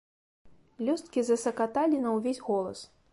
Лёсткі засакаталі на ўвесь голас.